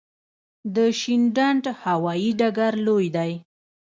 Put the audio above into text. د شینډنډ هوايي ډګر لوی دی